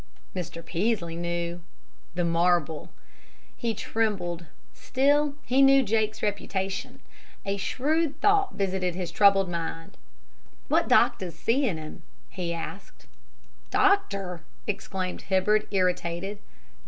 Mr. Peaslee knew: the marble! He trembled. Still, he knew Jake's reputation. A shrewd thought visited his troubled mind. "What doctor's seein' him?" he asked. "Doctor!" exclaimed Hibbard, irritated.